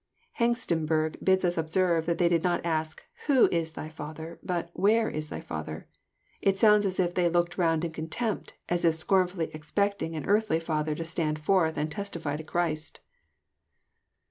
Hengstenberg bids us observe that they did not ask, " Who is thy Father? " but Where is thy Father?" It sounds as if they looked round in contempt, as if scorn flilly expecting an earthly father to stand forth and testify to Christ.